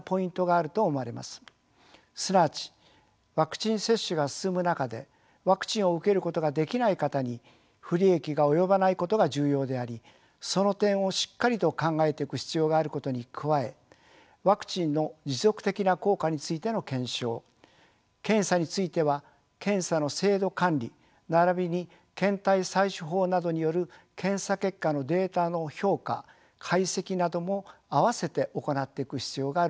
すなわちワクチン接種が進む中でワクチンを受けることができない方に不利益が及ばないことが重要でありその点をしっかりと考えていく必要があることに加えワクチンの持続的な効果についての検証検査については検査の精度管理ならびに検体採取法などによる検査結果のデータの評価解析なども併せて行っていく必要があると思われます。